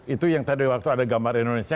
itu yang tadi waktu ada gambar indonesia